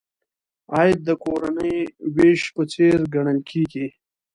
عاید د کورنۍ وېش په څېر ګڼل کیږي.